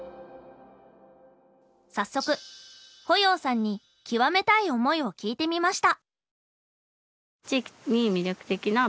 早速保要さんに「極めたい思い」を聞いてみました。